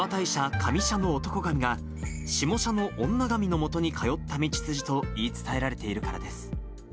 上社の男神が、下社の女神のもとに通った道筋と言い伝えられているからです。